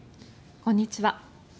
こんにちは。